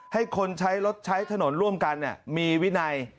ให้คนใช้รถใช้ถนนร่วมกันมีวินัย